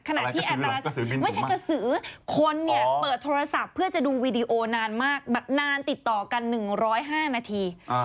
ขณะที่อัตราไม่ใช่กระสือคนเนี่ยเปิดโทรศัพท์เพื่อจะดูวีดีโอนานมากนานติดต่อกัน๑๐๕นาที